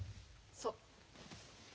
そう。